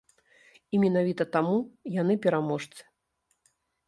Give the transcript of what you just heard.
І менавіта таму яны пераможцы.